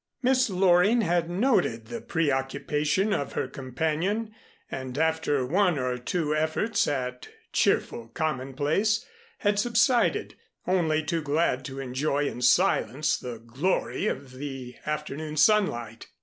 Miss Loring had noted the preoccupation of her companion, and after one or two efforts at cheerful commonplace, had subsided, only too glad to enjoy in silence the glory of the afternoon sunlight.